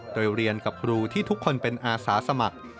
โดยเรียนกับครูที่ทุกคนเป็นอาสาสมัคร